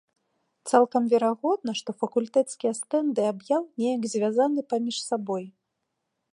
Цалкам верагодна, што факультэцкія стэнды аб'яў неяк звязаны паміж сабой.